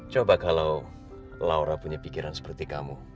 coba kalau laura punya pikiran seperti kamu